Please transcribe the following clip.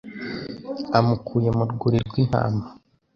amukuye mu rwuri rw’intama